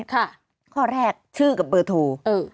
ข้อแรกชื่อกับเบอร์โทร